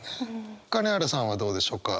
金原さんはどうでしょうか？